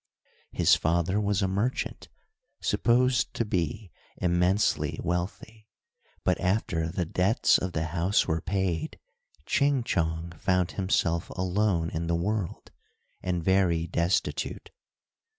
His father was a merchant, supposed to be immensely wealthy, but after the debts of the house were paid Ching Chong found himself alone in the world, and very destitute.